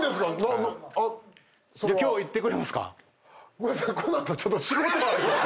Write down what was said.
ごめんなさい。